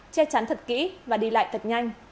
che chắn thật kỹ và đi lại thật nhanh